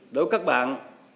đối với các bạn